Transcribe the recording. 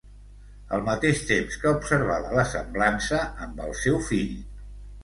Al mateix temps que observava la semblança amb el seu fill.